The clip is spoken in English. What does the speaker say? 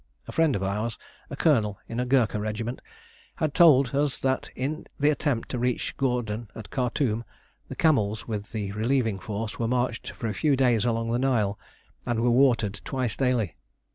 A friend of ours a colonel in a Gurkha regiment had told us that in the attempt to reach Gordon at Khartoum the camels with the relieving force were marched for a few days along the Nile and were watered twice daily.